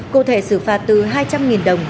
cụ thể xử phạt từ hai trăm linh đồng